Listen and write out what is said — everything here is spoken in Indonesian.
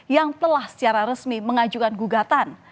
yang telah secara resmi mengajukan gugatan